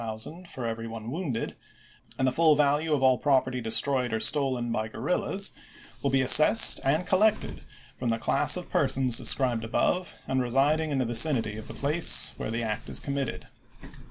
xviil for every one wounded ; and the full value of all property destroyed or stolen by guerrillas, will be ^oMeS' assessed and collected from the class of persons i862^w.\. described above and residing in the vicinity of the p'. 446. ' place where the act is committed."